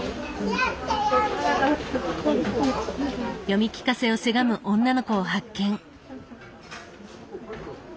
読み聞かせをせがむ女の子を発見。